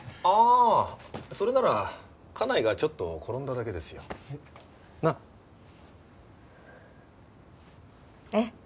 ああそれなら家内がちょっと転んだだけですよ。なあ？ええ。